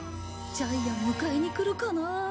ジャイアン迎えに来るかな。